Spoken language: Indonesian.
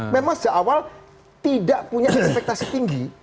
memang sejak awal tidak punya ekspektasi tinggi